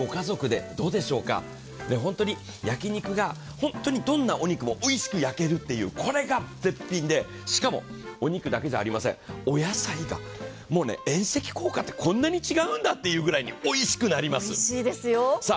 ご家族でどうでしょうか、焼き肉が本当にどんなお肉もおいしく焼けるっていう、これが絶品で、しかもお肉だけじゃありません、お野菜が、遠赤効果って、こんなに違うんだっていうぐらいにおいしくなりますよ。